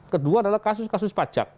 kedua adalah kasus kasus pajak